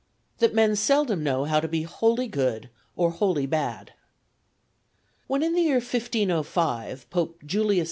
—That Men seldom know how to be wholly good or wholly bad. When in the year 1505, Pope Julius II.